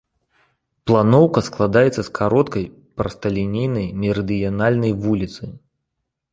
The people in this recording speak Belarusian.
Планоўка складаецца з кароткай прасталінейнай мерыдыянальнай вуліцы.